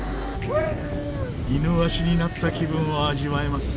イヌワシになった気分を味わえます。